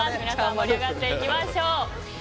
盛り上がっていきましょう。